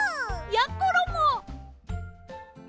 やころも！